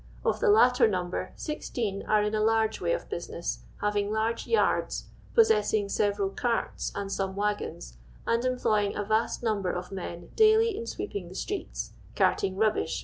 Of the latter number 16 are in a large way of busi ness, having large yards, possessing several carts and some wnggons, and employing a vast number of men daily in sweeping the streets, carting rubbish, &c.